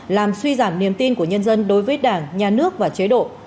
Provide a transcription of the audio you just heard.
làm suy giảm niềm tin của nhân dân đối với đảng nhà nước và chế độ